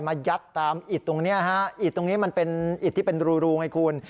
ยัดตามอิดตรงนี้ฮะอิดตรงนี้มันเป็นอิดที่เป็นรูไงคุณ